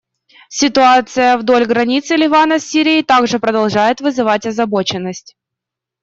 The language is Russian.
Ситуация вдоль границы Ливана с Сирией также продолжает вызвать озабоченность.